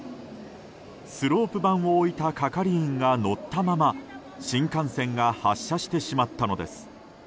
スロープ板を置いた係員が乗ったまま新幹線が発車してしまったのです。